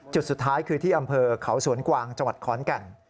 จุดสุดท้ายคือที่อำเภอเขาสวนกวางจังหวัดขอนแก่น